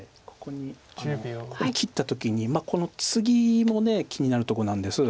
ここに切った時にこのツギも気になるとこなんです。